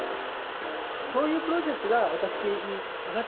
そういうプロセスが私に上が